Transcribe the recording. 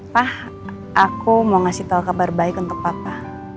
pak aku mau ngasih tahu kabar baik untuk papa